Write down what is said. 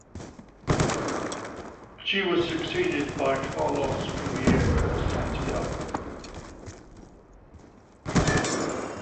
She was succeeded by Carlos Rivera Santiago.